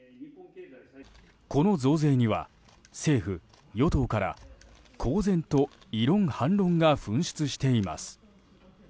この増税には政府・与党から公然と異論・反論が噴出しています。